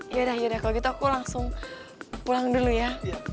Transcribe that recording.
ya udah udah kalau gitu aku langsung pulang dulu ya